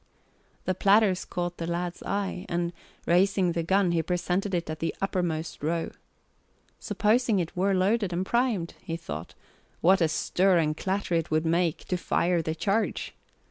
The platters caught the lad's eye and, raising the gun, he presented it at the uppermost row. Supposing it were loaded and primed, he thought, what a stir and clatter it would make to fire the charge!